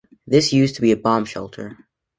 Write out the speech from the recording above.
This used to be a bomb shelter.